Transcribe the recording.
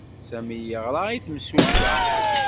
Sami yeɣra i yimsulta.